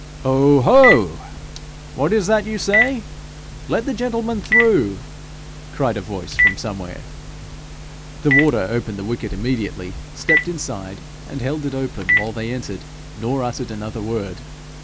'Ho! ho! what is that you say? Let the gentlemen through,' cried a voice from somewhere. The warder opened the wicket immediately, stepped inside, and held it open while they entered, nor uttered another word.